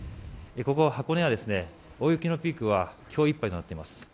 ここ箱根は大雪のピークは今日いっぱいとなっています。